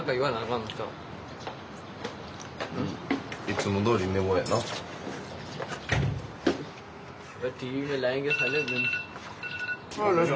ん？いつもどおり寝坊やな。